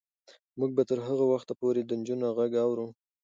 موږ به تر هغه وخته پورې د نجونو غږ اورو.